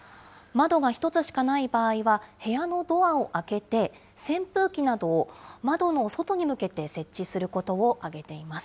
窓が１つしかない場合は、部屋のドアを開けて、扇風機などを窓の外に向けて設置することを挙げています。